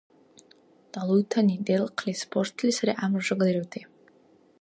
Далуйтани, делхъли, спортли сари гӀямру жагадирути!